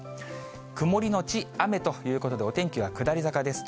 曇り後雨ということで、お天気は下り坂です。